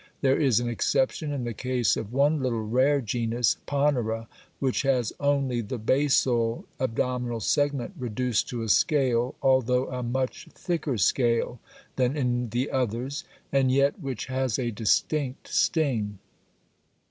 There is an exception in the case of one little rare genus, Ponera, which has only the basal abdominal segment reduced to a scale although a much thicker scale than in the others (fig. 6, 2), and yet which has a distinct sting.